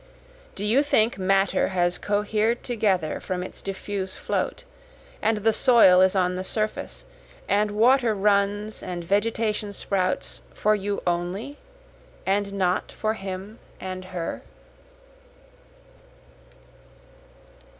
Do you think matter has cohered together from its diffuse float, and the soil is on the surface, and water runs and vegetation sprouts, For you only, and not for him and her?